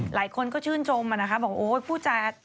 หลายคนก็ชื่นจมมาบอกว่าพู่จัด